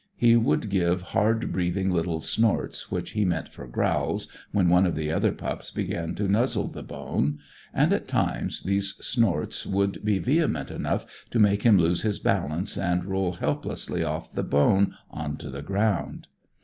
He would give hard breathing little snorts which he meant for growls, when one of the other pups began to nuzzle the bone; and, at times, these snorts would be vehement enough to make him lose his balance and roll helplessly off the bone on to the ground.